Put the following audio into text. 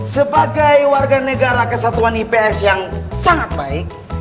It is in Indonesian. sebagai warga negara kesatuan ips yang sangat baik